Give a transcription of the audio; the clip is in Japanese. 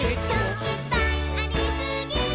「いっぱいありすぎー！！」